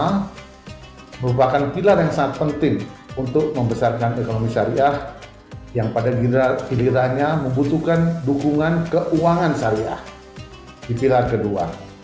karena merupakan pilar yang sangat penting untuk membesarkan ekonomi syariah yang pada gilirannya membutuhkan dukungan keuangan syariah di pilar kedua